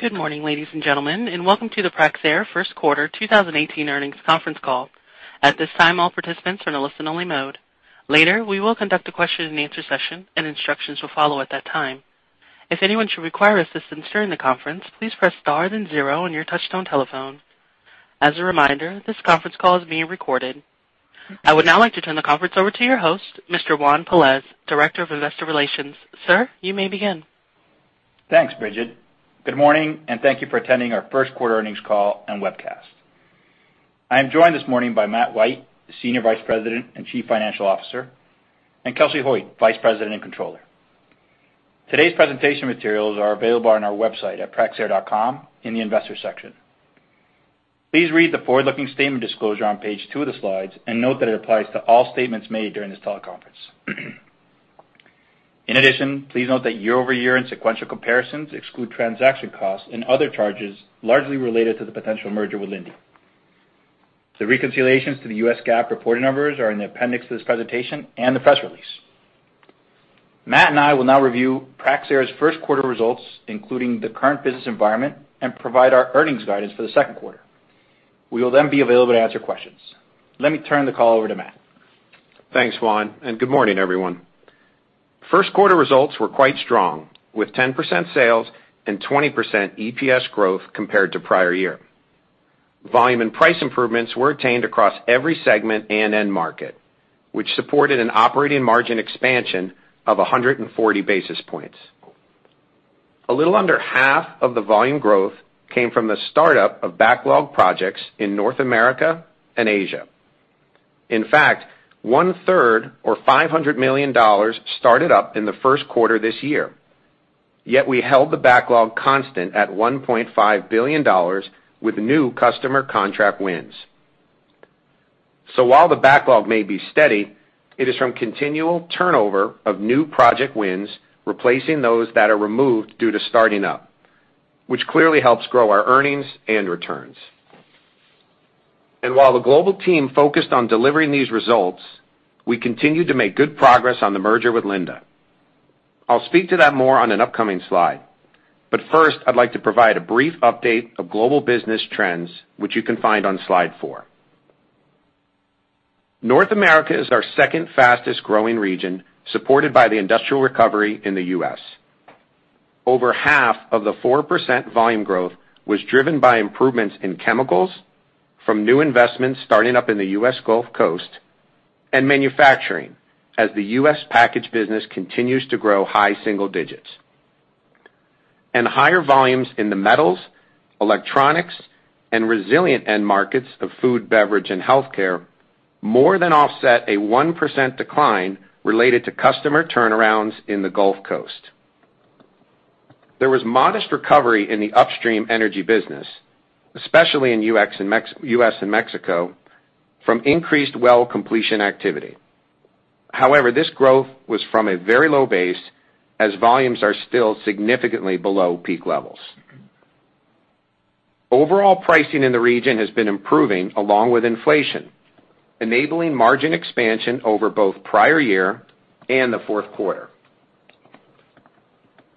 Good morning, ladies and gentlemen, and welcome to the Praxair first quarter 2018 earnings conference call. At this time, all participants are in a listen-only mode. Later, we will conduct a question and answer session and instructions will follow at that time. If anyone should require assistance during the conference, please press star then zero on your touch-tone telephone. As a reminder, this conference call is being recorded. I would now like to turn the conference over to your host, Mr. Juan Pelaez, Director of Investor Relations. Sir, you may begin. Thanks, Bridget. Good morning, and thank you for attending our first-quarter earnings call and webcast. I am joined this morning by Matt White, Senior Vice President and Chief Financial Officer, and Kelly Futtner, Vice President and Controller. Today's presentation materials are available on our website at praxair.com in the Investors section. Please read the forward-looking statement disclosure on page two of the slides and note that it applies to all statements made during this teleconference. In addition, please note that year-over-year and sequential comparisons exclude transaction costs and other charges largely related to the potential merger with Linde. The reconciliations to the U.S. GAAP reporting numbers are in the appendix to this presentation and the press release. Matt and I will now review Praxair's first quarter results, including the current business environment, and provide our earnings guidance for the second quarter. We will then be available to answer questions. Let me turn the call over to Matt. Thanks, Juan, and good morning, everyone. First quarter results were quite strong, with 10% sales and 20% EPS growth compared to prior year. Volume and price improvements were attained across every segment and end market, which supported an operating margin expansion of 140 basis points. A little under half of the volume growth came from the startup of backlog projects in North America and Asia. In fact, one-third or $500 million started up in the first quarter this year. Yet we held the backlog constant at $1.5 billion with new customer contract wins. While the backlog may be steady, it is from continual turnover of new project wins, replacing those that are removed due to starting up, which clearly helps grow our earnings and returns. While the global team focused on delivering these results, we continued to make good progress on the merger with Linde. I'll speak to that more on an upcoming slide. First, I'd like to provide a brief update of global business trends, which you can find on slide four. North America is our second fastest-growing region, supported by the industrial recovery in the U.S. Over half of the 4% volume growth was driven by improvements in chemicals from new investments starting up in the U.S. Gulf Coast, and manufacturing as the U.S. packaged business continues to grow high single digits. Higher volumes in the metals, electronics, and resilient end markets of food, beverage, and healthcare more than offset a 1% decline related to customer turnarounds in the Gulf Coast. There was modest recovery in the upstream energy business, especially in U.S. and Mexico, from increased well completion activity. However, this growth was from a very low base as volumes are still significantly below peak levels. Overall pricing in the region has been improving along with inflation, enabling margin expansion over both prior year and the fourth quarter.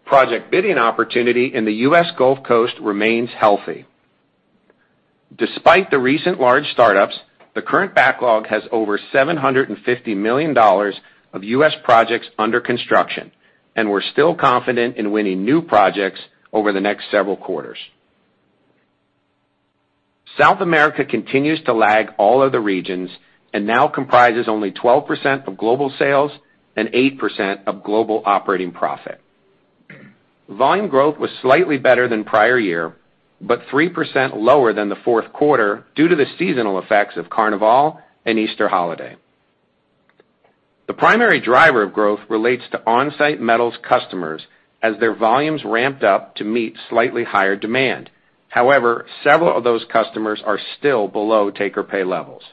Project bidding opportunity in the U.S. Gulf Coast remains healthy. Despite the recent large startups, the current backlog has over $750 million of U.S. projects under construction, and we're still confident in winning new projects over the next several quarters. South America continues to lag all other regions and now comprises only 12% of global sales and 8% of global operating profit. Volume growth was slightly better than prior year, but 3% lower than the fourth quarter due to the seasonal effects of Carnival and Easter holiday. The primary driver of growth relates to onsite metals customers as their volumes ramped up to meet slightly higher demand. However, several of those customers are still below take-or-pay levels.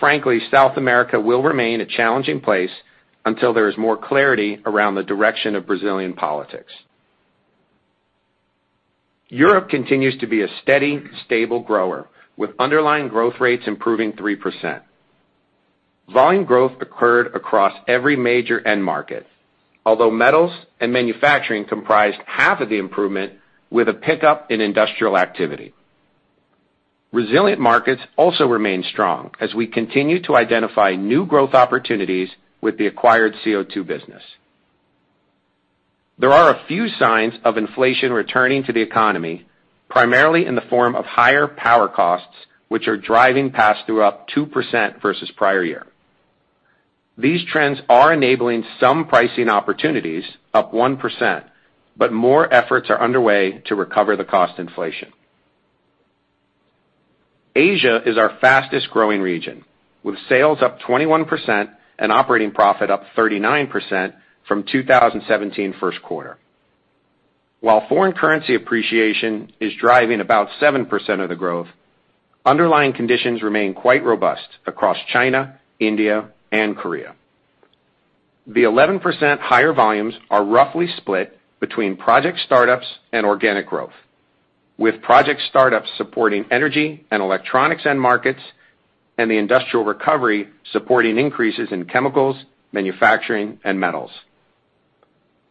Frankly, South America will remain a challenging place until there is more clarity around the direction of Brazilian politics. Europe continues to be a steady, stable grower, with underlying growth rates improving 3%. Volume growth occurred across every major end market, although metals and manufacturing comprised half of the improvement with a pickup in industrial activity. Resilient markets also remain strong as we continue to identify new growth opportunities with the acquired CO2 business. There are a few signs of inflation returning to the economy, primarily in the form of higher power costs, which are driving pass-through up 2% versus prior year. These trends are enabling some pricing opportunities up 1%, but more efforts are underway to recover the cost inflation. Asia is our fastest-growing region, with sales up 21% and operating profit up 39% from 2017 first quarter. While foreign currency appreciation is driving about 7% of the growth, underlying conditions remain quite robust across China, India, and Korea. The 11% higher volumes are roughly split between project startups and organic growth, with project startups supporting energy and electronics end markets, and the industrial recovery supporting increases in chemicals, manufacturing, and metals.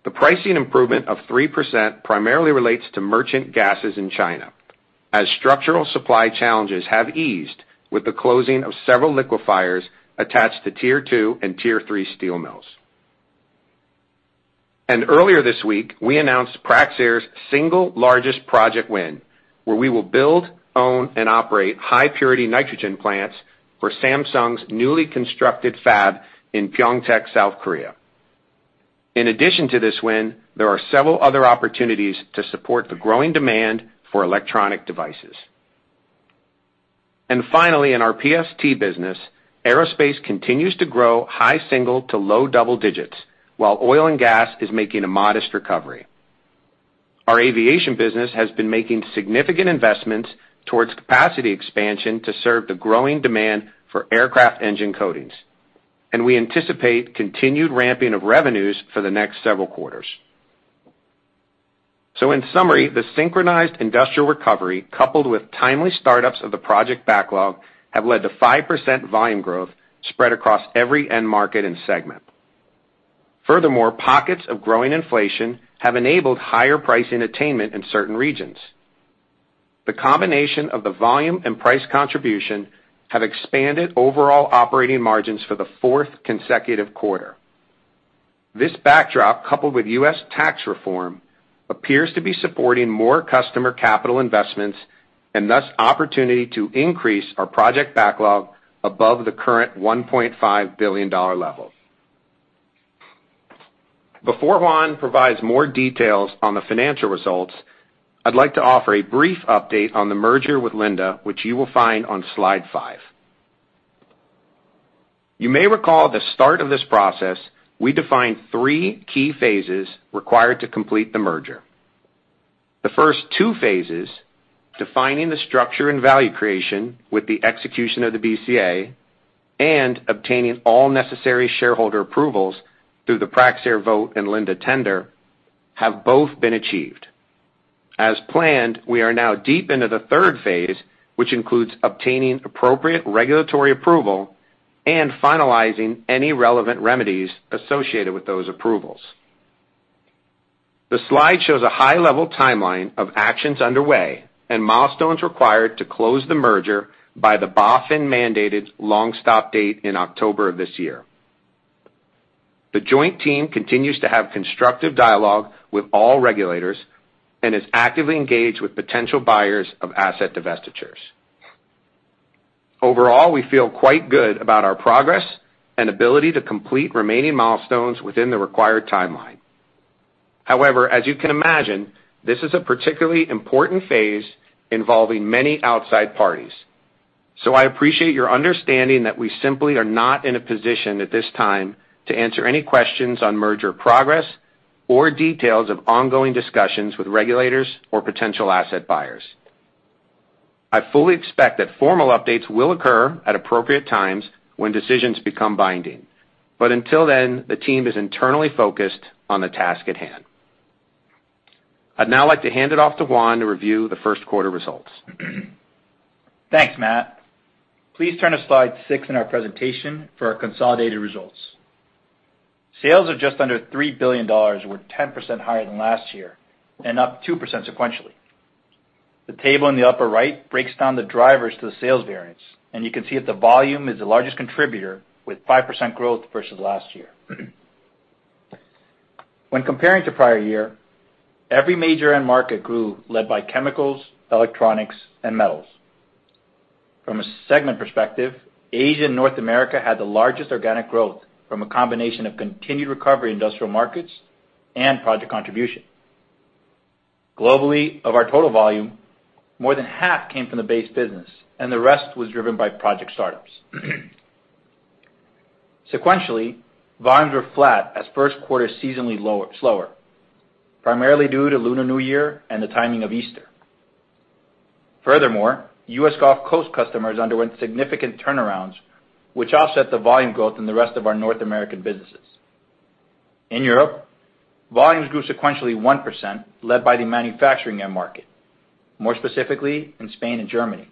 The pricing improvement of 3% primarily relates to merchant gases in China, as structural supply challenges have eased with the closing of several liquefiers attached to tier 2 and tier 3 steel mills. Earlier this week, we announced Praxair's single largest project win, where we will build, own, and operate high purity Nitrogen plants for Samsung's newly constructed fab in Pyeongtaek, South Korea. In addition to this win, there are several other opportunities to support the growing demand for electronic devices. Finally, in our PST business, aerospace continues to grow high single to low double digits, while oil and gas is making a modest recovery. Our aviation business has been making significant investments towards capacity expansion to serve the growing demand for aircraft engine coatings, and we anticipate continued ramping of revenues for the next several quarters. In summary, the synchronized industrial recovery, coupled with timely startups of the project backlog, have led to 5% volume growth spread across every end market and segment. Furthermore, pockets of growing inflation have enabled higher price attainment in certain regions. The combination of the volume and price contribution have expanded overall operating margins for the fourth consecutive quarter. This backdrop, coupled with U.S. tax reform, appears to be supporting more customer capital investments, and thus opportunity to increase our project backlog above the current $1.5 billion level. Before Juan provides more details on the financial results, I'd like to offer a brief update on the merger with Linde, which you will find on slide five. You may recall at the start of this process, we defined three key phases required to complete the merger. The first two phases, defining the structure and value creation with the execution of the BCA, and obtaining all necessary shareholder approvals through the Praxair vote and Linde tender, have both been achieved. As planned, we are now deep into the third phase, which includes obtaining appropriate regulatory approval and finalizing any relevant remedies associated with those approvals. The slide shows a high-level timeline of actions underway and milestones required to close the merger by the BaFin-mandated long-stop date in October of this year. The joint team continues to have constructive dialogue with all regulators and is actively engaged with potential buyers of asset divestitures. Overall, we feel quite good about our progress and ability to complete remaining milestones within the required timeline. As you can imagine, this is a particularly important phase involving many outside parties. I appreciate your understanding that we simply are not in a position at this time to answer any questions on merger progress or details of ongoing discussions with regulators or potential asset buyers. I fully expect that formal updates will occur at appropriate times when decisions become binding. Until then, the team is internally focused on the task at hand. I'd now like to hand it off to Juan to review the first quarter results. Thanks, Matt. Please turn to slide six in our presentation for our consolidated results. Sales are just under $3 billion, were 10% higher than last year, and up 2% sequentially. The table in the upper right breaks down the drivers to the sales variance, and you can see that the volume is the largest contributor, with 5% growth versus last year. When comparing to prior year, every major end market grew, led by chemicals, electronics, and metals. From a segment perspective, Asia and North America had the largest organic growth from a combination of continued recovery industrial markets and project contribution. Globally, of our total volume, more than half came from the base business, and the rest was driven by project startups. Sequentially, volumes were flat as first quarter seasonally slower, primarily due to Lunar New Year and the timing of Easter. U.S. Gulf Coast customers underwent significant turnarounds, which offset the volume growth in the rest of our North American businesses. In Europe, volumes grew sequentially 1%, led by the manufacturing end market, more specifically in Spain and Germany.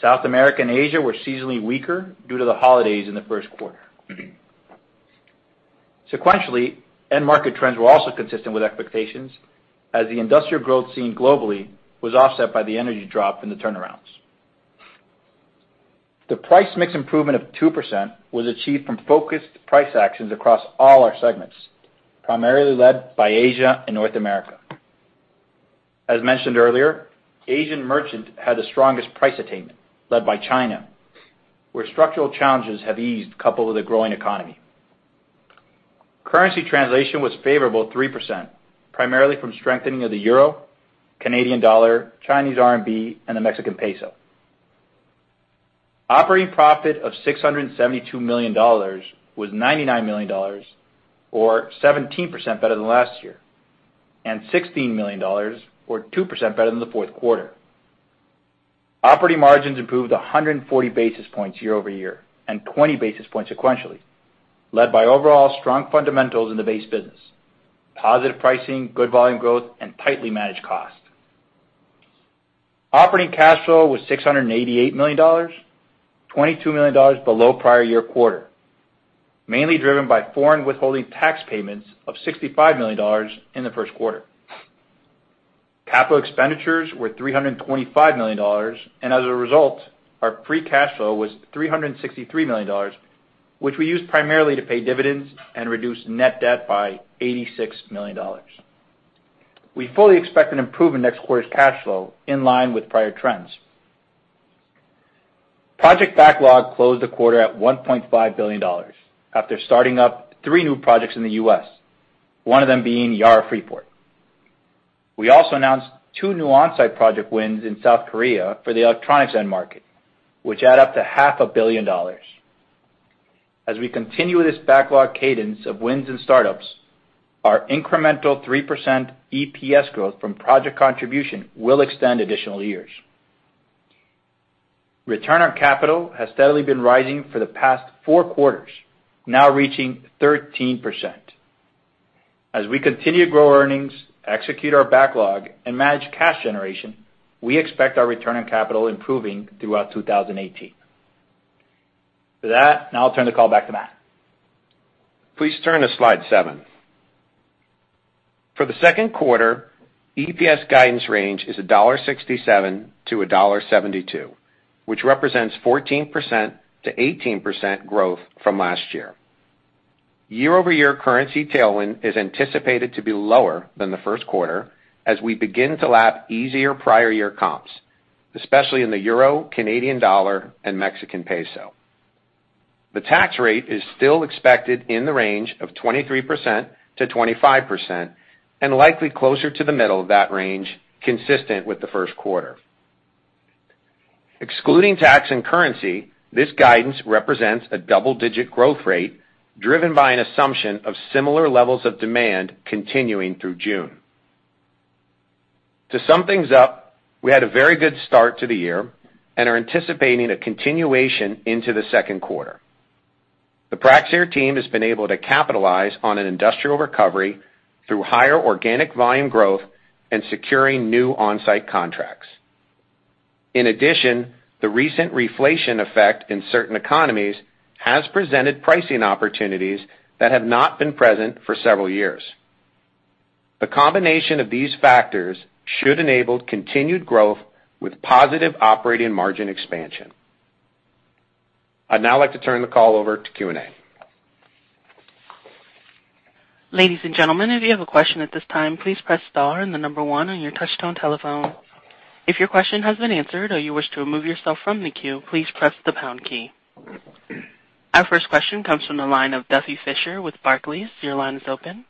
South America and Asia were seasonally weaker due to the holidays in the first quarter. Sequentially, end market trends were also consistent with expectations, as the industrial growth seen globally was offset by the energy drop in the turnarounds. The price mix improvement of 2% was achieved from focused price actions across all our segments, primarily led by Asia and North America. As mentioned earlier, Asian merchant had the strongest price attainment, led by China, where structural challenges have eased, coupled with a growing economy. Currency translation was favorable 3%, primarily from strengthening of the Euro, Canadian dollar, Chinese RMB, and the Mexican peso. Operating profit of $672 million was $99 million, or 17% better than last year, and $16 million, or 2% better than the fourth quarter. Operating margins improved 140 basis points year-over-year, and 20 basis points sequentially, led by overall strong fundamentals in the base business, positive pricing, good volume growth, and tightly managed cost. Operating cash flow was $688 million, $22 million below prior year quarter, mainly driven by foreign withholding tax payments of $65 million in the first quarter. Capital expenditures were $325 million, and as a result, our free cash flow was $363 million, which we used primarily to pay dividends and reduce net debt by $86 million. We fully expect an improvement next quarter's cash flow in line with prior trends. Project backlog closed the quarter at $1.5 billion after starting up three new projects in the U.S., one of them being Yara Freeport. We also announced two new onsite project wins in South Korea for the electronics end market, which add up to half a billion dollars. As we continue this backlog cadence of wins and startups, our incremental 3% EPS growth from project contribution will extend additional years. Return on capital has steadily been rising for the past four quarters, now reaching 13%. As we continue to grow earnings, execute our backlog, and manage cash generation, we expect our return on capital improving throughout 2018. With that, now I'll turn the call back to Matt. Please turn to slide seven. For the second quarter, EPS guidance range is $1.67-$1.72, which represents 14%-18% growth from last year. Year-over-year currency tailwind is anticipated to be lower than the first quarter as we begin to lap easier prior year comps, especially in the euro, Canadian dollar, and Mexican peso. The tax rate is still expected in the range of 23%-25%, and likely closer to the middle of that range, consistent with the first quarter. Excluding tax and currency, this guidance represents a double-digit growth rate driven by an assumption of similar levels of demand continuing through June. To sum things up, we had a very good start to the year and are anticipating a continuation into the second quarter. The Praxair team has been able to capitalize on an industrial recovery through higher organic volume growth and securing new onsite contracts. In addition, the recent reflation effect in certain economies has presented pricing opportunities that have not been present for several years. The combination of these factors should enable continued growth with positive operating margin expansion. I'd now like to turn the call over to Q&A. Ladies and gentlemen, if you have a question at this time, please press star and the number one on your touchtone telephone. If your question has been answered or you wish to remove yourself from the queue, please press the pound key. Our first question comes from the line of Duffy Fischer with Barclays. Your line is open.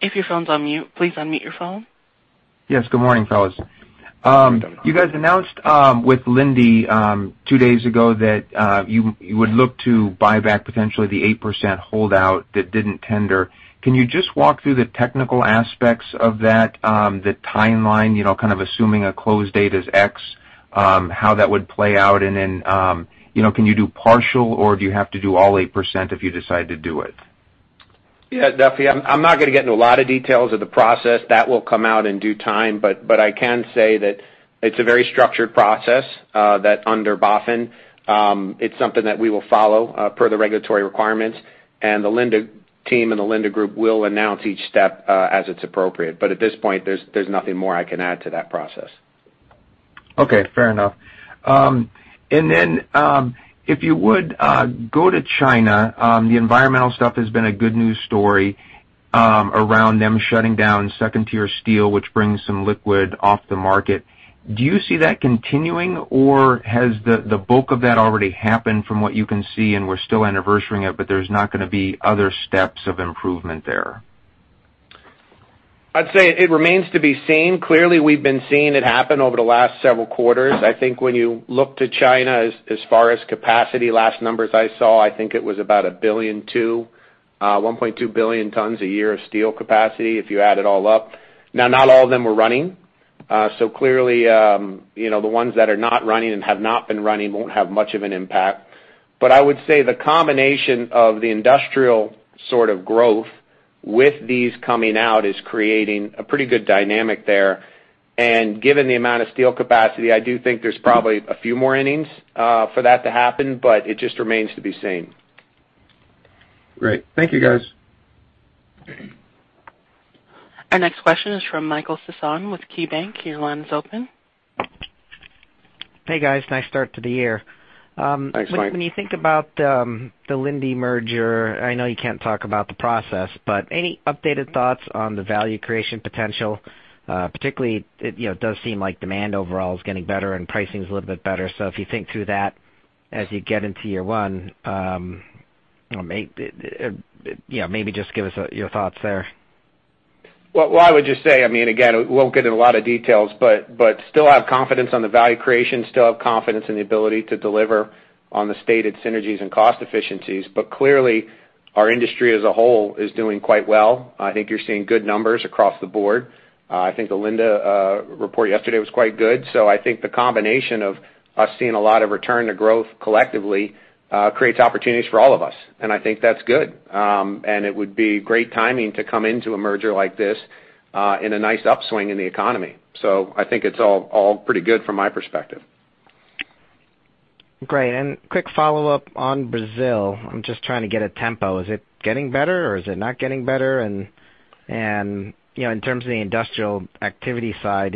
If your phone's on mute, please unmute your phone. Yes. Good morning, fellas. You guys announced with Linde two days ago that you would look to buy back potentially the 8% holdout that didn't tender. Can you just walk through the technical aspects of that, the timeline, kind of assuming a close date is X, how that would play out, and then can you do partial, or do you have to do all 8% if you decide to do it? Duffy, I'm not going to get into a lot of details of the process. That will come out in due time. I can say that it's a very structured process that under BaFin, it's something that we will follow per the regulatory requirements, and the Linde team and the Linde group will announce each step as it's appropriate. At this point, there's nothing more I can add to that process. Okay. Fair enough. If you would go to China, the environmental stuff has been a good news story around them shutting down 2-tier steel, which brings some liquid off the market. Do you see that continuing, or has the bulk of that already happened from what you can see, and we're still anniversarying it, but there's not going to be other steps of improvement there? I'd say it remains to be seen. Clearly, we've been seeing it happen over the last several quarters. I think when you look to China as far as capacity, last numbers I saw, I think it was about 1.2 billion tons a year of steel capacity if you add it all up. Now, not all of them are running. Clearly, the ones that are not running and have not been running won't have much of an impact. I would say the combination of the industrial sort of growth with these coming out is creating a pretty good dynamic there. Given the amount of steel capacity, I do think there's probably a few more innings for that to happen, but it just remains to be seen. Great. Thank you, guys. Our next question is from Michael Sison with KeyBanc. Your line is open. Hey, guys. Nice start to the year. Thanks, Mike. When you think about the Linde merger, I know you can't talk about the process, but any updated thoughts on the value creation potential? Particularly, it does seem like demand overall is getting better and pricing's a little bit better. If you think through that as you get into year one, maybe just give us your thoughts there. Well, I would just say, again, we won't get in a lot of details, but still have confidence on the value creation, still have confidence in the ability to deliver on the stated synergies and cost efficiencies. Clearly, our industry as a whole is doing quite well. I think you're seeing good numbers across the board. I think the Linde report yesterday was quite good. I think the combination of us seeing a lot of return to growth collectively, creates opportunities for all of us, and I think that's good. It would be great timing to come into a merger like this, in a nice upswing in the economy. I think it's all pretty good from my perspective. Great. Quick follow-up on Brazil. I'm just trying to get a tempo. Is it getting better or is it not getting better? In terms of the industrial activity side,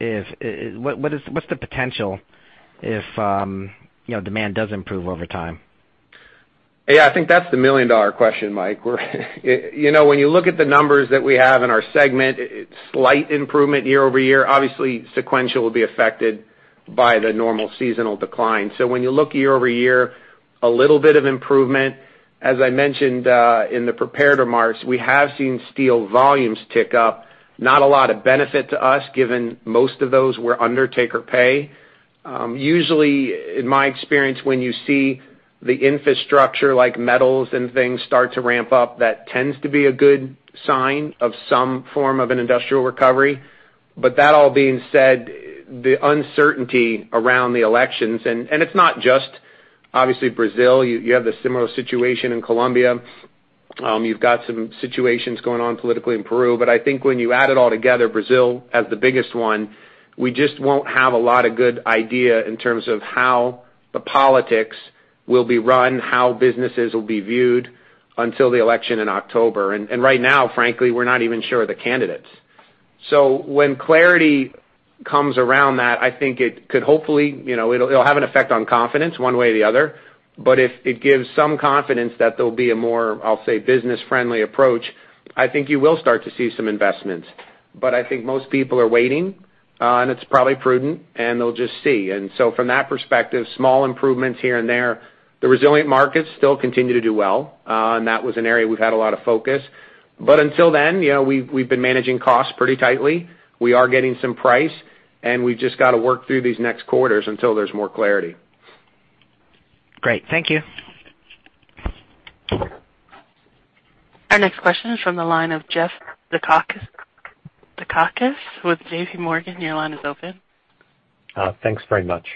what's the potential if demand does improve over time? Yeah, I think that's the million-dollar question, Mike. When you look at the numbers that we have in our segment, slight improvement year-over-year. Obviously, sequential will be affected by the normal seasonal decline. When you look year-over-year, a little bit of improvement. As I mentioned, in the prepared remarks, we have seen steel volumes tick up. Not a lot of benefit to us, given most of those were under take-or-pay. Usually, in my experience, when you see the infrastructure like metals and things start to ramp up, that tends to be a good sign of some form of an industrial recovery. That all being said, the uncertainty around the elections, it's not just obviously Brazil. You have the similar situation in Colombia. You've got some situations going on politically in Peru. I think when you add it all together, Brazil, as the biggest one, we just won't have a lot of good idea in terms of how the politics will be run, how businesses will be viewed until the election in October. Right now, frankly, we're not even sure of the candidates. When clarity comes around that, I think it could hopefully, it'll have an effect on confidence one way or the other. If it gives some confidence that there'll be a more, I'll say, business-friendly approach, I think you will start to see some investments. I think most people are waiting, it's probably prudent, and they'll just see. From that perspective, small improvements here and there. The resilient markets still continue to do well, and that was an area we've had a lot of focus. until then, we've been managing costs pretty tightly. We are getting some price, and we've just got to work through these next quarters until there's more clarity. Great. Thank you. Our next question is from the line of Jeffrey Zekauskas with JPMorgan. Your line is open. Thanks very much.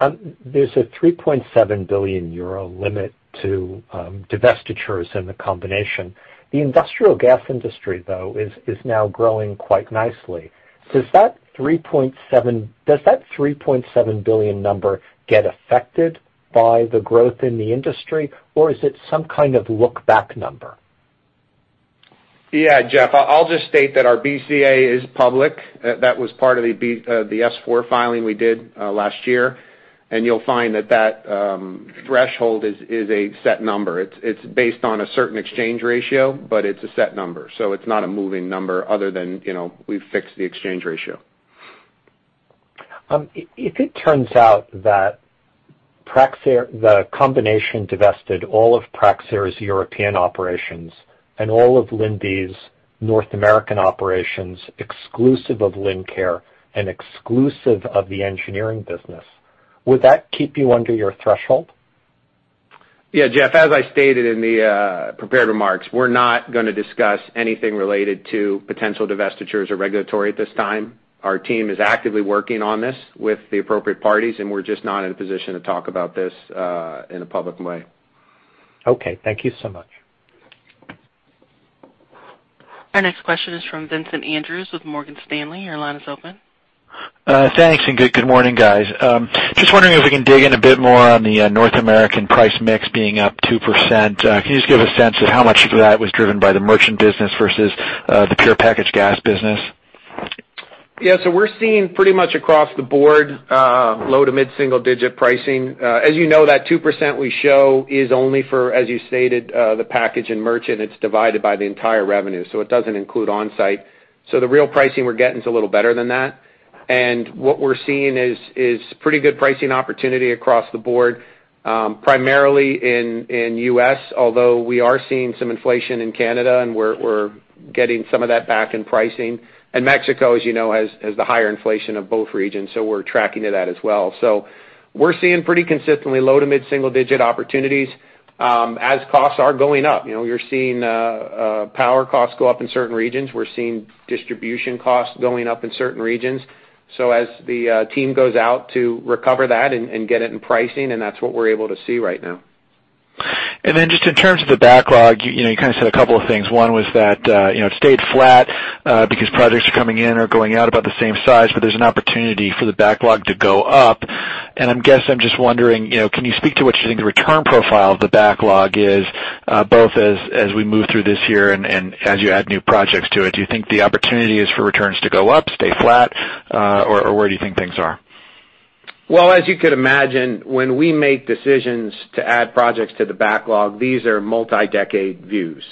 There's a 3.7 billion euro limit to divestitures in the combination. The industrial gas industry, though, is now growing quite nicely. does that 3.7 billion number get affected by the growth in the industry, or is it some kind of look-back number? Yeah, Jeff, I'll just state that our BCA is public. That was part of the S-4 filing we did last year. You'll find that that threshold is a set number. It's based on a certain exchange ratio, but it's a set number. It's not a moving number other than we've fixed the exchange ratio. If it turns out that the combination divested all of Praxair's European operations and all of Linde's North American operations, exclusive of Lincare and exclusive of the engineering business, would that keep you under your threshold? Yeah, Jeff, as I stated in the prepared remarks, we're not going to discuss anything related to potential divestitures or regulatory at this time. Our team is actively working on this with the appropriate parties, and we're just not in a position to talk about this in a public way. Okay. Thank you so much. Our next question is from Vincent Andrews with Morgan Stanley. Your line is open. Thanks. Good morning, guys. Just wondering if we can dig in a bit more on the North American price mix being up 2%. Can you just give a sense of how much of that was driven by the merchant business versus the pure packaged gas business? Yeah. We're seeing pretty much across the board, low to mid-single digit pricing. As you know, that 2% we show is only for, as you stated, the packaged and merchant. It's divided by the entire revenue, so it doesn't include onsite. The real pricing we're getting is a little better than that. What we're seeing is pretty good pricing opportunity across the board, primarily in U.S., although we are seeing some inflation in Canada, and we're getting some of that back in pricing. Mexico, as you know, has the higher inflation of both regions, so we're tracking to that as well. We're seeing pretty consistently low to mid-single digit opportunities, as costs are going up. You're seeing power costs go up in certain regions. We're seeing distribution costs going up in certain regions. As the team goes out to recover that and get it in pricing, and that's what we're able to see right now. Just in terms of the backlog, you kind of said a couple of things. One was that it stayed flat because projects are coming in or going out about the same size, but there's an opportunity for the backlog to go up. I guess I'm just wondering, can you speak to what you think the return profile of the backlog is, both as we move through this year and as you add new projects to it? Do you think the opportunity is for returns to go up, stay flat, or where do you think things are? Well, as you could imagine, when we make decisions to add projects to the backlog, these are multi-decade views.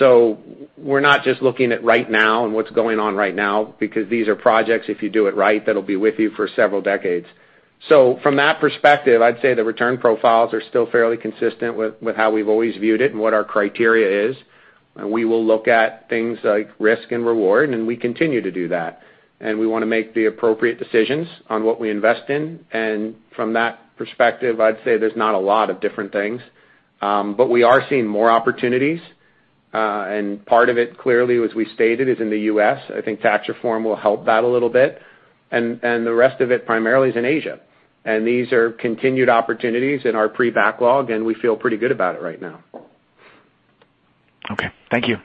We're not just looking at right now and what's going on right now, because these are projects, if you do it right, that'll be with you for several decades. From that perspective, I'd say the return profiles are still fairly consistent with how we've always viewed it and what our criteria is. We will look at things like risk and reward, and we continue to do that. We want to make the appropriate decisions on what we invest in. From that perspective, I'd say there's not a lot of different things. We are seeing more opportunities. Part of it, clearly, as we stated, is in the U.S. I think tax reform will help that a little bit. The rest of it primarily is in Asia. These are continued opportunities in our pre-backlog, and we feel pretty good about it right now. Okay. Thank you.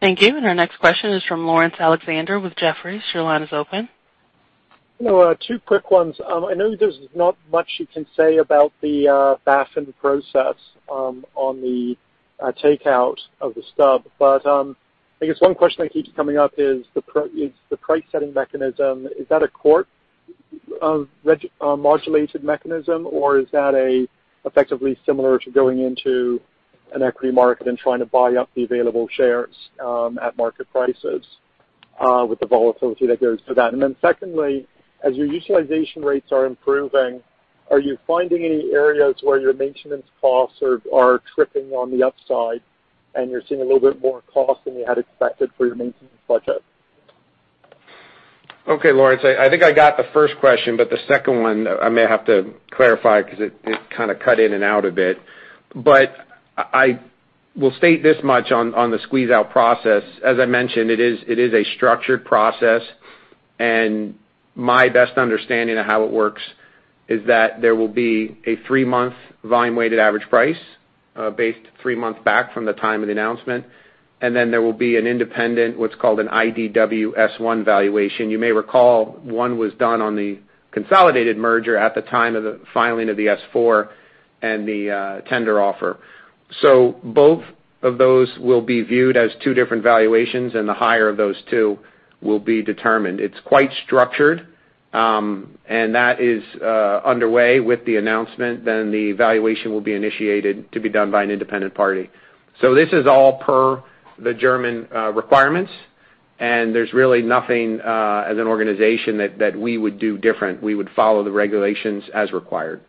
Thank you. Our next question is from Laurence Alexander with Jefferies. Your line is open. Hello, two quick ones. I know there's not much you can say about the BaFin process on the takeout of the stub. I guess one question that keeps coming up is the price setting mechanism. Is that a court-modulated mechanism, or is that effectively similar to going into an equity market and trying to buy up the available shares at market prices with the volatility that goes to that? Secondly, as your utilization rates are improving, are you finding any areas where your maintenance costs are tripping on the upside, and you're seeing a little bit more cost than you had expected for your maintenance budget? Okay, Laurence. I think I got the first question, the second one I may have to clarify because it kind of cut in and out a bit. I will state this much on the squeeze-out process. As I mentioned, it is a structured process, my best understanding of how it works is that there will be a three-month volume weighted average price based three months back from the time of the announcement. There will be an independent, what's called an IDW S1 valuation. You may recall, one was done on the consolidated merger at the time of the filing of the S-4 and the tender offer. Both of those will be viewed as two different valuations, the higher of those two will be determined. It's quite structured, that is underway with the announcement. The valuation will be initiated to be done by an independent party. This is all per the German requirements, there's really nothing as an organization that we would do different. We would follow the regulations as required.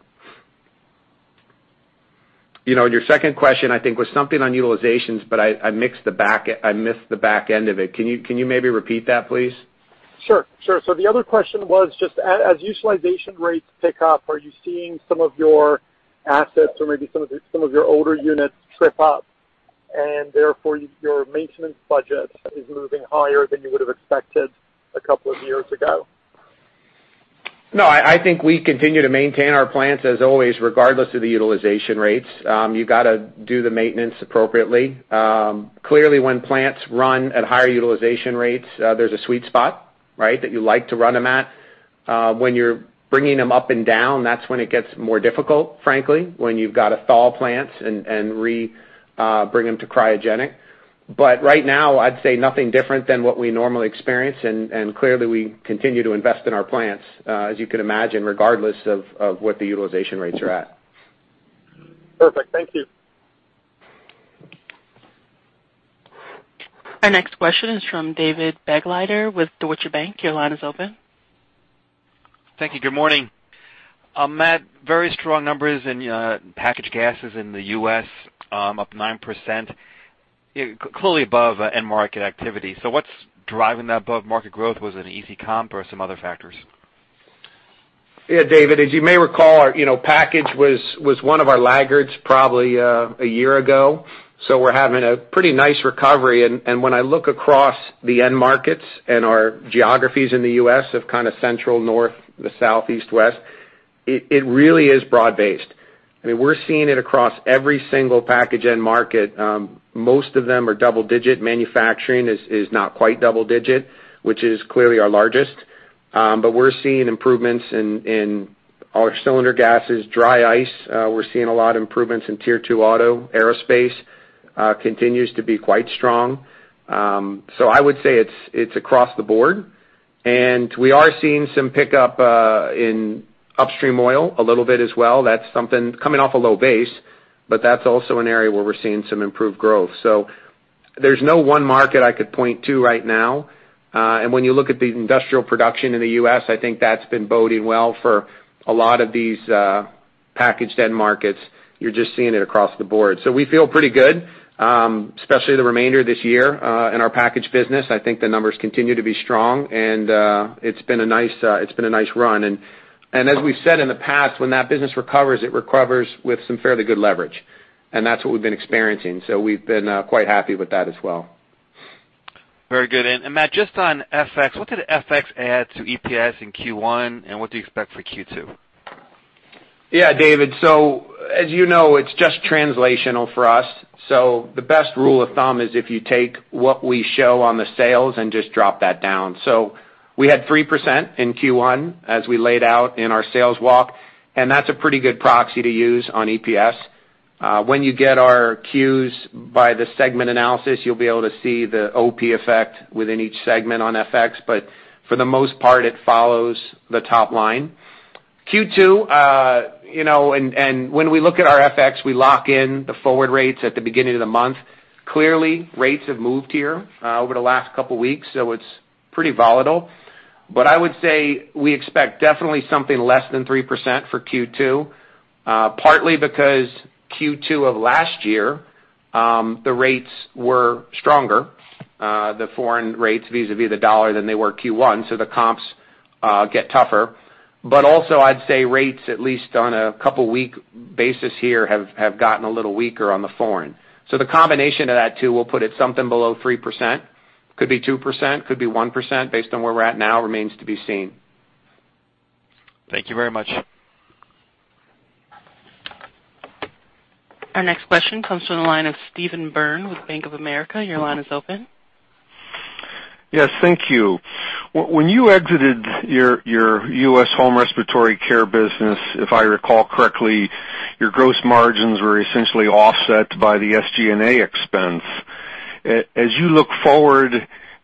Your second question, I think, was something on utilizations, I missed the back end of it. Can you maybe repeat that, please? Sure. The other question was just as utilization rates pick up, are you seeing some of your assets or maybe some of your older units trip up, and therefore, your maintenance budget is moving higher than you would have expected a couple of years ago? No, I think we continue to maintain our plants as always, regardless of the utilization rates. You've got to do the maintenance appropriately. Clearly, when plants run at higher utilization rates, there's a sweet spot that you like to run them at. When you're bringing them up and down, that's when it gets more difficult, frankly, when you've got to thaw plants and re-bring them to cryogenic. Right now, I'd say nothing different than what we normally experience. Clearly, we continue to invest in our plants, as you can imagine, regardless of what the utilization rates are at. Perfect. Thank you. Our next question is from David Begleiter with Deutsche Bank. Your line is open. Thank you. Good morning. Matt, very strong numbers in packaged gases in the U.S., up 9%, clearly above end market activity. What's driving that above market growth? Was it an easy comp or some other factors? Yeah, David, as you may recall, packaged was one of our laggards probably a year ago. We're having a pretty nice recovery. When I look across the end markets and our geographies in the U.S. of kind of central, north, the south, east, west, it really is broad-based. We're seeing it across every single packaged end market. Most of them are double digit. Manufacturing is not quite double digit, which is clearly our largest. But we're seeing improvements in our cylinder gases. Dry ice. We're seeing a lot of improvements in tier 2 auto. Aerospace continues to be quite strong. I would say it's across the board. We are seeing some pickup in upstream oil a little bit as well. That's something coming off a low base, but that's also an area where we're seeing some improved growth. There's no one market I could point to right now. When you look at the industrial production in the U.S., I think that's been boding well for a lot of these packaged end markets. You're just seeing it across the board. We feel pretty good, especially the remainder of this year in our packaged business. I think the numbers continue to be strong, and it's been a nice run. As we've said in the past, when that business recovers, it recovers with some fairly good leverage. That's what we've been experiencing. We've been quite happy with that as well. Very good. Matt, just on FX, what did FX add to EPS in Q1, and what do you expect for Q2? Yeah, David. As you know, it's just translational for us. The best rule of thumb is if you take what we show on the sales and just drop that down. We had 3% in Q1 as we laid out in our sales walk, and that's a pretty good proxy to use on EPS. When you get our Q's by the segment analysis, you'll be able to see the OP effect within each segment on FX. For the most part, it follows the top line. Q2, when we look at our FX, we lock in the forward rates at the beginning of the month. Clearly, rates have moved here over the last couple of weeks, so it's pretty volatile. I would say we expect definitely something less than 3% for Q2. Partly because Q2 of last year, the rates were stronger, the foreign rates, vis-a-vis the U.S. dollar than they were Q1, the comps get tougher. Also I'd say rates, at least on a couple-week basis here, have gotten a little weaker on the foreign. The combination of that two will put it something below 3%. Could be 2%, could be 1%, based on where we're at now, remains to be seen. Thank you very much. Our next question comes from the line of Steve Byrne with Bank of America. Your line is open. Yes. Thank you. When you exited your U.S. Home Respiratory care business, if I recall correctly, your gross margins were essentially offset by the SG&A expense. As you look forward,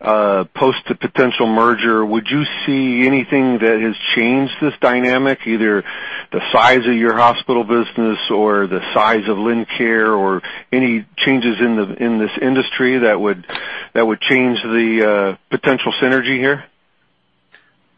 post the potential merger, would you see anything that has changed this dynamic, either the size of your hospital business or the size of Lincare or any changes in this industry that would change the potential synergy here?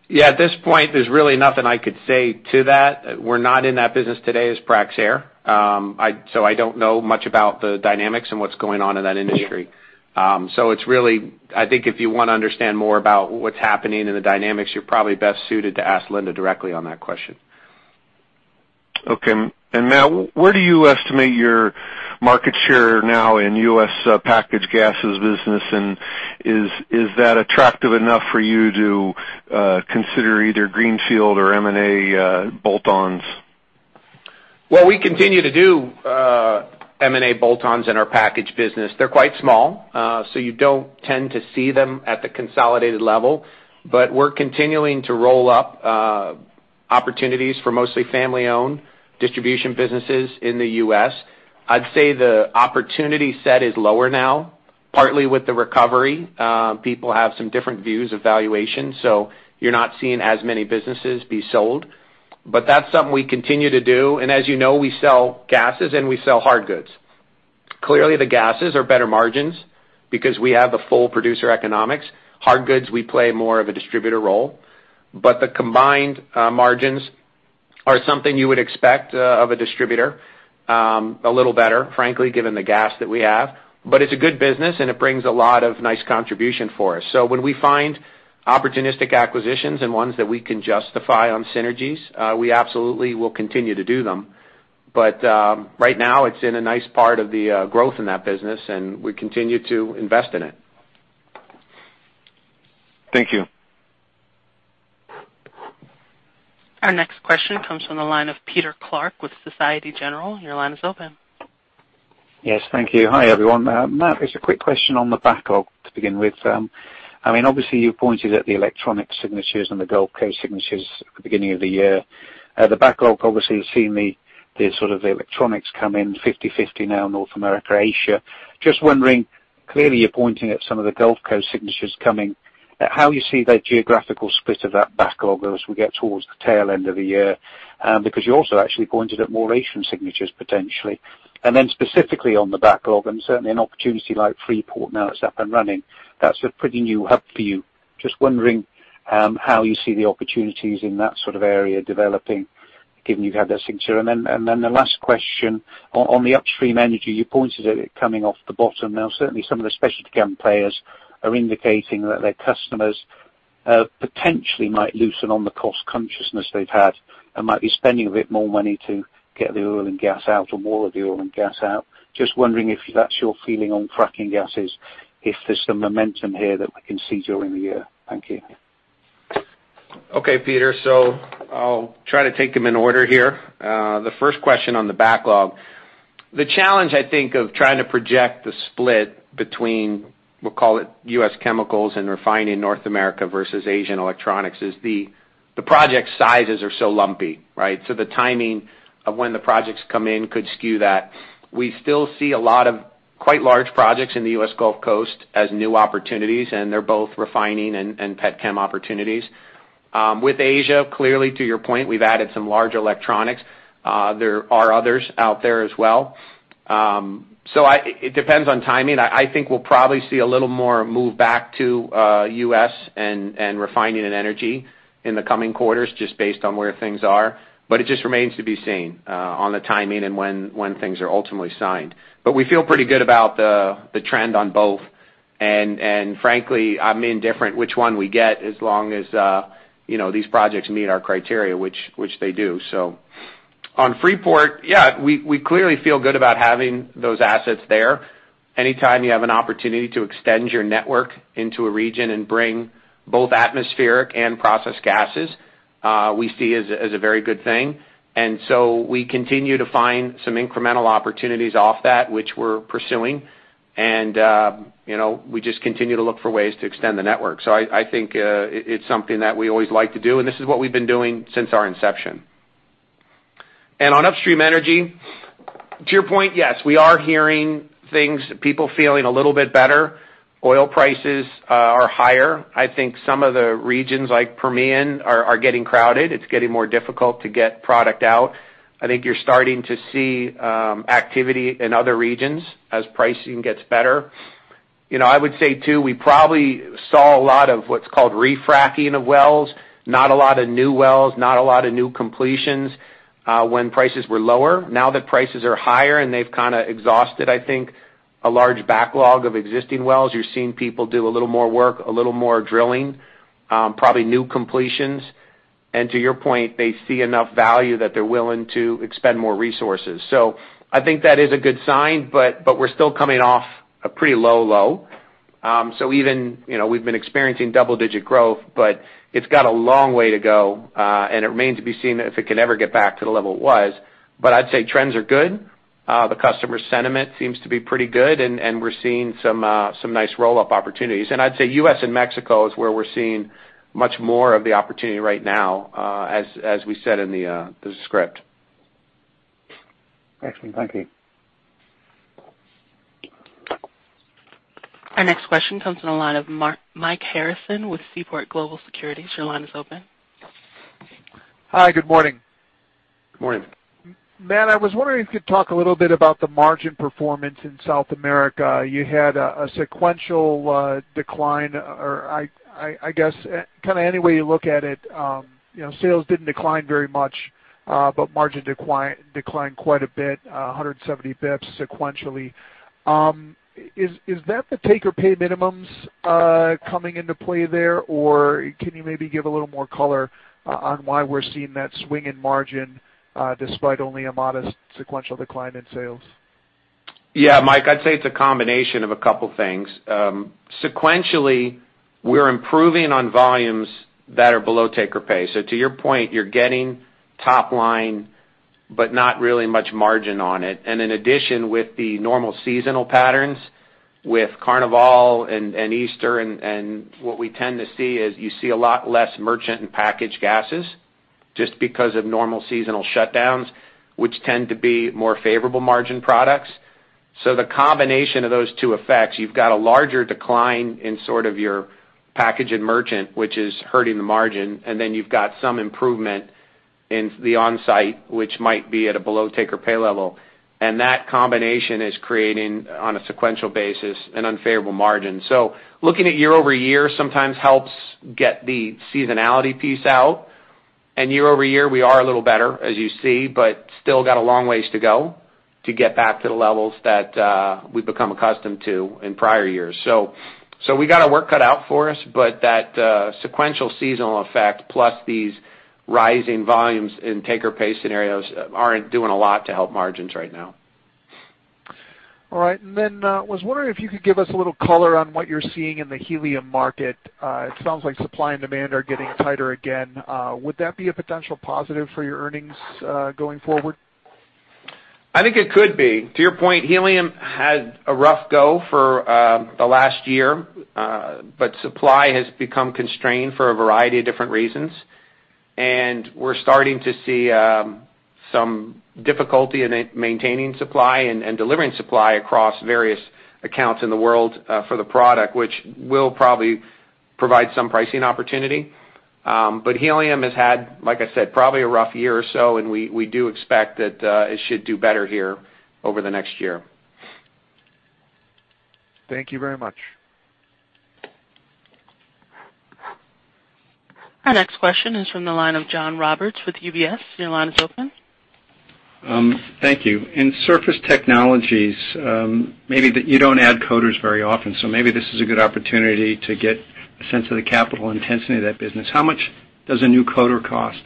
Yeah. At this point, there's really nothing I could say to that. We're not in that business today as Praxair. I don't know much about the dynamics and what's going on in that industry. I think if you want to understand more about what's happening in the dynamics, you're probably best suited to ask Linde directly on that question. Okay. Matt, where do you estimate your market share now in U.S. packaged gases business, and is that attractive enough for you to consider either greenfield or M&A bolt-ons? Well, we continue to do M&A bolt-ons in our packaged business. They're quite small, you don't tend to see them at the consolidated level. We're continuing to roll up opportunities for mostly family-owned distribution businesses in the U.S. I'd say the opportunity set is lower now, partly with the recovery. People have some different views of valuation, you're not seeing as many businesses be sold. That's something we continue to do. As you know, we sell gases and we sell hard goods. Clearly, the gases are better margins because we have the full producer economics. Hard goods, we play more of a distributor role. The combined margins are something you would expect of a distributor, a little better, frankly, given the gas that we have. It's a good business and it brings a lot of nice contribution for us. When we find opportunistic acquisitions and ones that we can justify on synergies, we absolutely will continue to do them. Right now, it's in a nice part of the growth in that business, and we continue to invest in it. Thank you. Our next question comes from the line of Peter Clark with Societe Generale. Your line is open. Yes. Thank you. Hi, everyone. Matt, just a quick question on the backlog to begin with. Obviously, you pointed at the electronic signatures and the Gulf Coast signatures at the beginning of the year. The backlog, obviously, you're seeing the sort of electronics come in 50/50 now, North America, Asia. Just wondering, clearly you're pointing at some of the Gulf Coast signatures coming. How you see the geographical split of that backlog as we get towards the tail end of the year, because you also actually pointed at more Asian signatures potentially. Then specifically on the backlog, and certainly an opportunity like Freeport now that's up and running. That's a pretty new hub for you. Just wondering how you see the opportunities in that sort of area developing, given you've had that signature. The last question, on the upstream energy, you pointed at it coming off the bottom. Now, certainly some of the specialty chem players are indicating that their customers potentially might loosen on the cost consciousness they've had and might be spending a bit more money to get the oil and gas out or more of the oil and gas out. Just wondering if that's your feeling on fracking gases, if there's some momentum here that we can see during the year. Thank you. Okay, Peter. I'll try to take them in order here. The first question on the backlog. The challenge, I think, of trying to project the split between, we'll call it U.S. chemicals and refining North America versus Asian electronics is the project sizes are so lumpy, right? The timing of when the projects come in could skew that. We still see a lot of quite large projects in the U.S. Gulf Coast as new opportunities, and they're both refining and petchem opportunities. With Asia, clearly, to your point, we've added some large electronics. There are others out there as well. It depends on timing. I think we'll probably see a little more move back to U.S. and refining and energy in the coming quarters just based on where things are. It just remains to be seen on the timing and when things are ultimately signed. We feel pretty good about the trend on both. Frankly, I'm indifferent which one we get as long as these projects meet our criteria, which they do. On Freeport, yeah, we clearly feel good about having those assets there. Anytime you have an opportunity to extend your network into a region and bring both atmospheric and processed gases, we see as a very good thing. We continue to find some incremental opportunities off that, which we're pursuing. We just continue to look for ways to extend the network. I think it's something that we always like to do, and this is what we've been doing since our inception. On upstream energy, to your point, yes, we are hearing things, people feeling a little bit better. Oil prices are higher. I think some of the regions like Permian are getting crowded. It's getting more difficult to get product out. I think you're starting to see activity in other regions as pricing gets better. I would say too, we probably saw a lot of what's called refracking of wells, not a lot of new wells, not a lot of new completions when prices were lower. Now that prices are higher and they've kind of exhausted, I think, a large backlog of existing wells. You're seeing people do a little more work, a little more drilling, probably new completions. To your point, they see enough value that they're willing to expend more resources. I think that is a good sign, but we're still coming off a pretty low low. We've been experiencing double-digit growth, but it's got a long way to go, and it remains to be seen if it can ever get back to the level it was. I'd say trends are good. The customer sentiment seems to be pretty good, and we're seeing some nice roll-up opportunities. I'd say U.S. and Mexico is where we're seeing much more of the opportunity right now, as we said in the script. Excellent. Thank you. Our next question comes in the line of Mike Harrison with Seaport Global Securities. Your line is open. Hi, good morning. Good morning. Matt White, I was wondering if you could talk a little bit about the margin performance in South America. You had a sequential decline, or I guess, kind of any way you look at it, sales didn't decline very much, but margin declined quite a bit, 170 basis points sequentially. Is that the take-or-pay minimums coming into play there? Can you maybe give a little more color on why we're seeing that swing in margin, despite only a modest sequential decline in sales? Yeah, Mike, I'd say it's a combination of a couple things. Sequentially, we're improving on volumes that are below take-or-pay. To your point, you're getting top line, but not really much margin on it. In addition, with the normal seasonal patterns, with Carnival and Easter and what we tend to see is you see a lot less merchant and Packaged Gases just because of normal seasonal shutdowns, which tend to be more favorable margin products. The combination of those two effects, you've got a larger decline in sort of your Packaged and merchant, which is hurting the margin, and then you've got some improvement in the on-site, which might be at a below take-or-pay level. That combination is creating, on a sequential basis, an unfavorable margin. Looking at year-over-year sometimes helps get the seasonality piece out. Year-over-year, we are a little better, as you see, but still got a long ways to go to get back to the levels that we've become accustomed to in prior years. We got our work cut out for us, but that sequential seasonal effect, plus these rising volumes in take-or-pay scenarios, aren't doing a lot to help margins right now. All right. I was wondering if you could give us a little color on what you're seeing in the Helium market. It sounds like supply and demand are getting tighter again. Would that be a potential positive for your earnings going forward? I think it could be. To your point, Helium had a rough go for the last year. Supply has become constrained for a variety of different reasons, and we're starting to see some difficulty in maintaining supply and delivering supply across various accounts in the world for the product, which will probably provide some pricing opportunity. Helium has had, like I said, probably a rough year or so, and we do expect that it should do better here over the next year. Thank you very much. Our next question is from the line of John Roberts with UBS. Your line is open. Thank you. In surface technologies, you don't add coaters very often, so maybe this is a good opportunity to get a sense of the capital intensity of that business. How much does a new coater cost?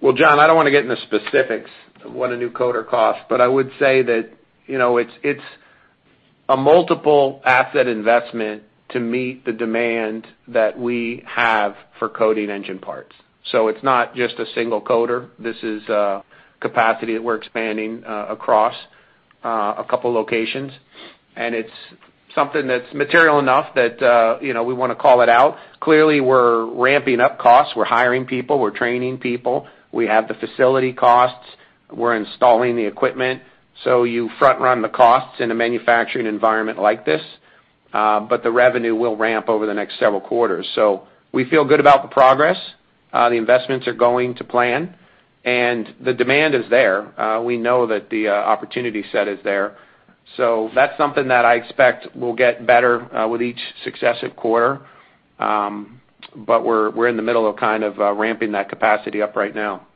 Well, John, I don't want to get into specifics of what a new coater costs, but I would say that it's a multiple asset investment to meet the demand that we have for coating engine parts. It's not just a single coater. This is capacity that we're expanding across a couple locations, and it's something that's material enough that we want to call it out. Clearly, we're ramping up costs. We're hiring people, we're training people. We have the facility costs. We're installing the equipment. You front-run the costs in a manufacturing environment like this. The revenue will ramp over the next several quarters. We feel good about the progress. The investments are going to plan, and the demand is there. We know that the opportunity set is there. That's something that I expect will get better with each successive quarter. We're in the middle of kind of ramping that capacity up right now.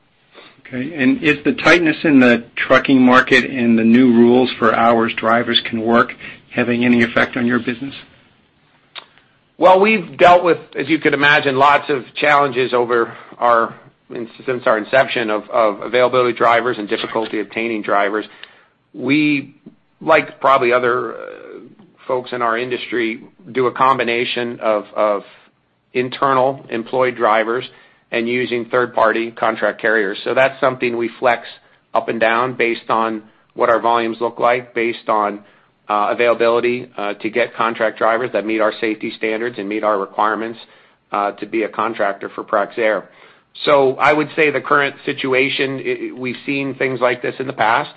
Okay. Is the tightness in the trucking market and the new rules for hours drivers can work having any effect on your business? Well, we've dealt with, as you could imagine, lots of challenges over since our inception of availability of drivers and difficulty obtaining drivers. We, like probably other folks in our industry, do a combination of internal employed drivers and using third-party contract carriers. That's something we flex up and down based on what our volumes look like, based on availability to get contract drivers that meet our safety standards and meet our requirements to be a contractor for Praxair. I would say the current situation, we've seen things like this in the past.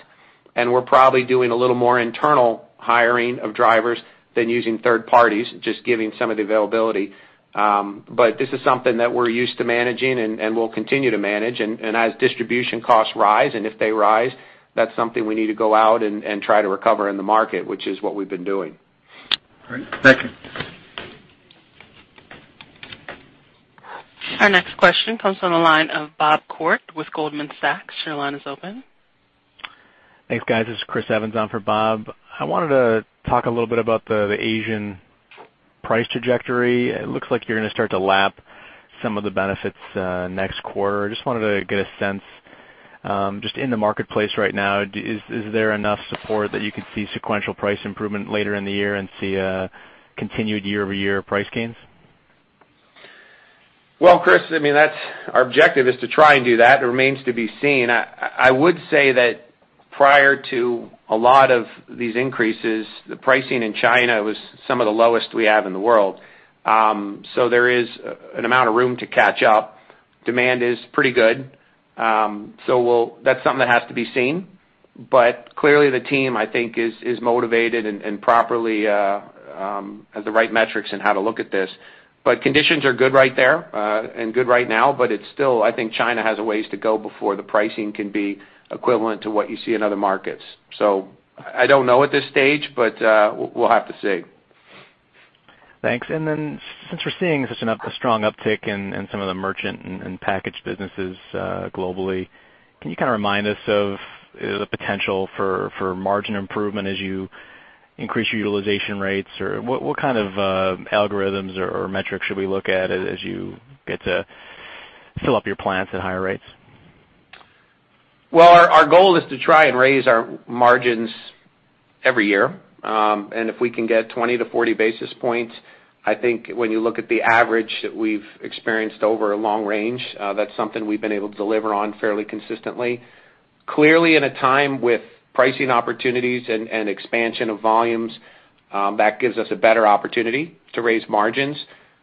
We're probably doing a little more internal hiring of drivers than using third parties, just giving some of the availability. This is something that we're used to managing and will continue to manage. As distribution costs rise, and if they rise, that's something we need to go out and try to recover in the market, which is what we've been doing. All right. Thank you. Our next question comes from the line of Bob Koort with Goldman Sachs. Your line is open. Thanks, guys. It's Chris Evans on for Bob. I wanted to talk a little bit about the Asian price trajectory. It looks like you're going to start to lap some of the benefits next quarter. I just wanted to get a sense, just in the marketplace right now, is there enough support that you could see sequential price improvement later in the year and see a continued year-over-year price gains? Well, Chris, our objective is to try and do that. It remains to be seen. I would say that prior to a lot of these increases, the pricing in China was some of the lowest we have in the world. There is an amount of room to catch up. Demand is pretty good. That's something that has to be seen. Clearly the team, I think, is motivated and properly has the right metrics in how to look at this. Conditions are good right there, and good right now, it's still, I think China has a ways to go before the pricing can be equivalent to what you see in other markets. I don't know at this stage, we'll have to see. Thanks. Since we're seeing such a strong uptick in some of the merchant and package businesses globally, can you kind of remind us of the potential for margin improvement as you increase utilization rates? What kind of algorithms or metrics should we look at as you get to fill up your plants at higher rates? Well, our goal is to try and raise our margins every year. If we can get 20-40 basis points, I think when you look at the average that we've experienced over a long range, that's something we've been able to deliver on fairly consistently. Clearly in a time with pricing opportunities and expansion of volumes, that gives us a better opportunity to raise margins.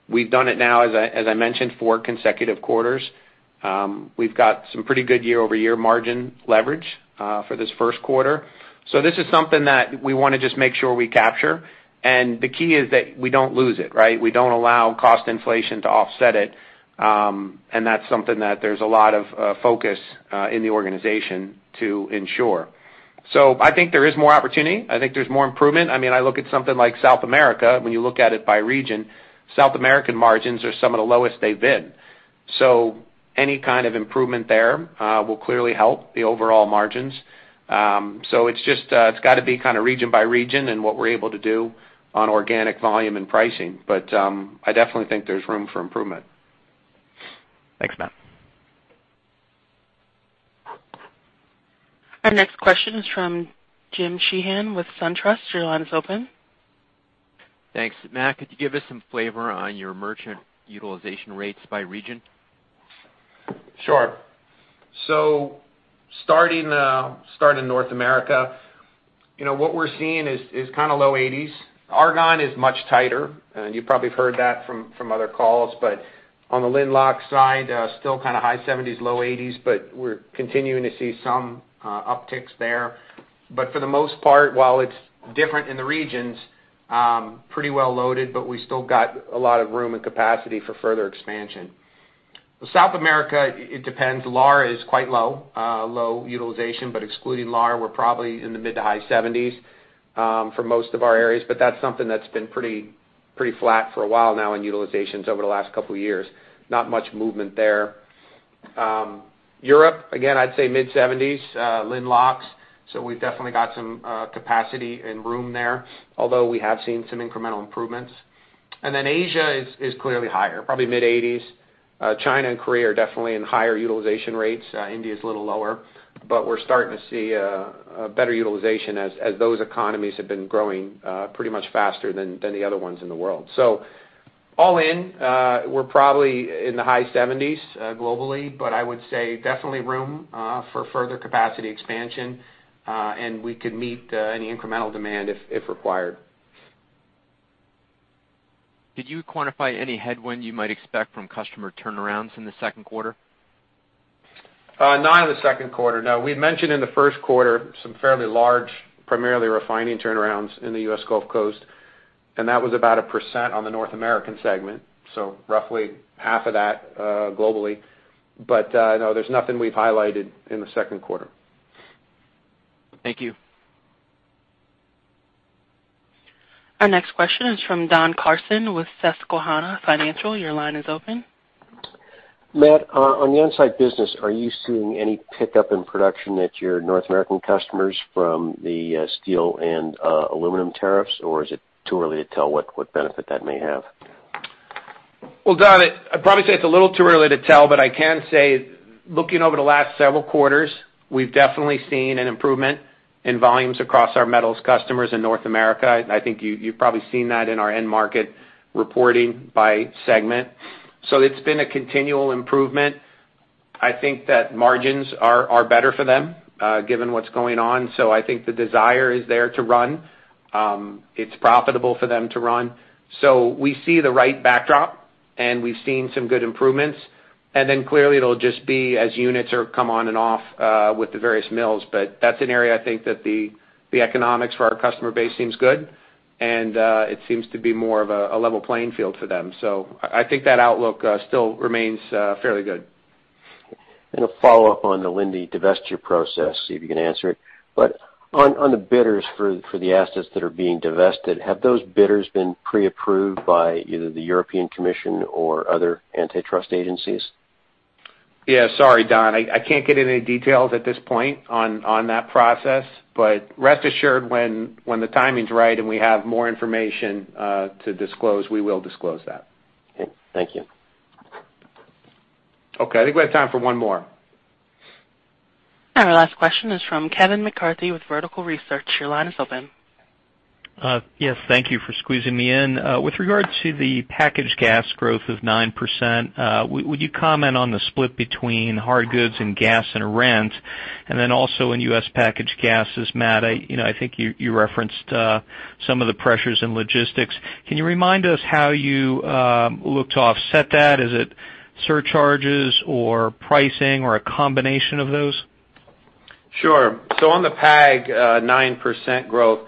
We've done it now, as I mentioned, 4 consecutive quarters. We've got some pretty good year-over-year margin leverage for this first quarter. This is something that we want to just make sure we capture. The key is that we don't lose it, right? We don't allow cost inflation to offset it. That's something that there's a lot of focus in the organization to ensure. I think there is more opportunity. I think there's more improvement. I look at something like South America, when you look at it by region, South American margins are some of the lowest they've been. Any kind of improvement there will clearly help the overall margins. It's got to be kind of region by region and what we're able to do on organic volume and pricing. I definitely think there's room for improvement. Thanks, Matt. Our next question is from Jim Sheehan with SunTrust. Your line is open. Thanks. Matt, could you give us some flavor on your merchant utilization rates by region? Starting North America, what we're seeing is kind of low 80s. Argon is much tighter, and you've probably heard that from other calls. On the LIN/LOX side, still kind of high 70s, low 80s, but we're continuing to see some upticks there. For the most part, while it's different in the regions, pretty well loaded, but we still got a lot of room and capacity for further expansion. South America, it depends. Yara is quite low utilization, but excluding Yara, we're probably in the mid- to high 70s for most of our areas. That's something that's been pretty flat for a while now in utilizations over the last couple of years. Not much movement there. Europe, again, I'd say mid-70s, LIN/LOX. We've definitely got some capacity and room there, although we have seen some incremental improvements. Asia is clearly higher, probably mid-80s. China and Korea are definitely in higher utilization rates. India is a little lower. We're starting to see a better utilization as those economies have been growing pretty much faster than the other ones in the world. All in, we're probably in the high 70s globally, but I would say definitely room for further capacity expansion, and we could meet any incremental demand if required. Did you quantify any headwind you might expect from customer turnarounds in the second quarter? Not in the second quarter, no. We mentioned in the first quarter some fairly large, primarily refining turnarounds in the U.S. Gulf Coast, and that was about 1% on the North American segment, so roughly half of that globally. No, there's nothing we've highlighted in the second quarter. Thank you. Our next question is from Don Carson with Susquehanna Financial. Your line is open. Matt, on the on-site business, are you seeing any pickup in production at your North American customers from the steel and aluminum tariffs? Or is it too early to tell what benefit that may have? Well, Don, I'd probably say it's a little too early to tell, but I can say, looking over the last several quarters, we've definitely seen an improvement in volumes across our metals customers in North America. I think you've probably seen that in our end market reporting by segment. It's been a continual improvement. I think that margins are better for them, given what's going on. I think the desire is there to run. It's profitable for them to run. We see the right backdrop. We've seen some good improvements. Clearly, it'll just be as units come on and off with the various mills. That's an area I think that the economics for our customer base seems good, and it seems to be more of a level playing field for them. I think that outlook still remains fairly good. A follow-up on the Linde divestiture process, see if you can answer it. On the bidders for the assets that are being divested, have those bidders been pre-approved by either the European Commission or other antitrust agencies? Yeah. Sorry, Don, I can't get into any details at this point on that process. Rest assured, when the timing's right and we have more information, to disclose, we will disclose that. Okay. Thank you. Okay, I think we've got time for one more. Our last question is from Kevin McCarthy with Vertical Research. Your line is open. Yes, thank you for squeezing me in. With regard to the packaged gas growth of 9%, would you comment on the split between hard goods and gas and rent? Also in U.S. packaged gases, Matt, I think you referenced some of the pressures in logistics. Can you remind us how you looked to offset that? Is it surcharges or pricing or a combination of those? Sure. On the PAG 9% growth,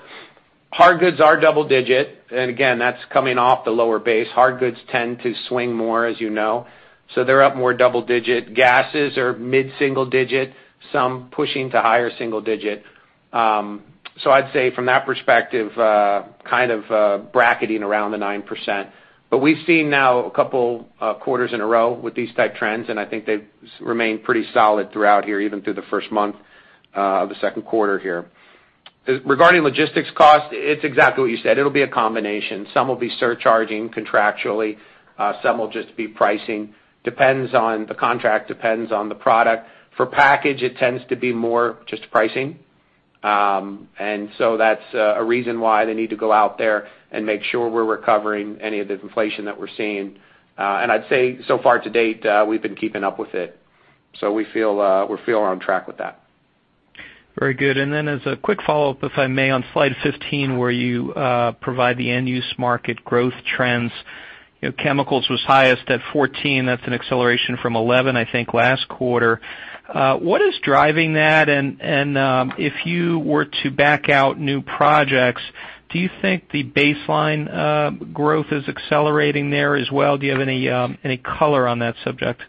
hard goods are double digit, and again, that's coming off the lower base. Hard goods tend to swing more, as you know, so they're up more double digit. Gases are mid-single digit, some pushing to higher single digit. I'd say from that perspective, kind of bracketing around the 9%. We've seen now a couple quarters in a row with these type trends, and I think they've remained pretty solid throughout here, even through the first month of the second quarter here. Regarding logistics cost, it's exactly what you said. It'll be a combination. Some will be surcharging contractually, some will just be pricing. Depends on the contract, depends on the product. For packaged, it tends to be more just pricing. That's a reason why they need to go out there and make sure we're recovering any of the inflation that we're seeing. I'd say so far to date, we've been keeping up with it. We feel on track with that. Very good. As a quick follow-up, if I may, on slide 15, where you provide the end-use market growth trends. Chemicals was highest at 14. That's an acceleration from 11, I think, last quarter. What is driving that? If you were to back out new projects, do you think the baseline growth is accelerating there as well? Do you have any color on that subject?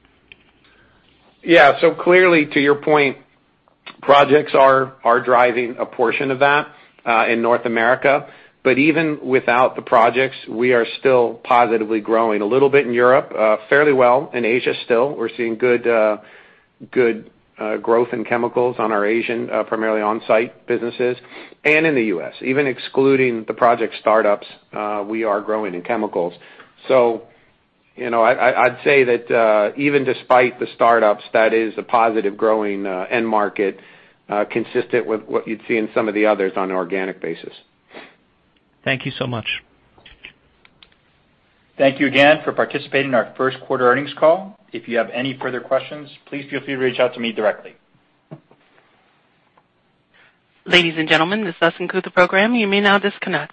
Yeah. Clearly, to your point, projects are driving a portion of that in North America. Even without the projects, we are still positively growing a little bit in Europe, fairly well in Asia still. We're seeing good growth in Chemicals on our Asian, primarily on-site businesses and in the U.S. Even excluding the project startups, we are growing in Chemicals. I'd say that even despite the startups, that is a positive growing end market, consistent with what you'd see in some of the others on an organic basis. Thank you so much. Thank you again for participating in our first quarter earnings call. If you have any further questions, please feel free to reach out to me directly. Ladies and gentlemen, this does conclude the program. You may now disconnect.